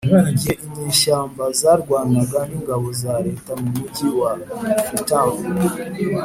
igihe inyeshyamba zarwanaga n ingabo za leta mu mugi wa Freetown